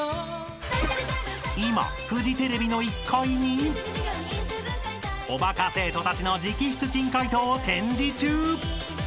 ［今フジテレビの１階におバカ生徒たちの直筆珍解答を展示中！］